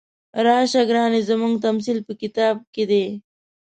راشه ګرانې زموږ تمثیل په کتاب کې دی.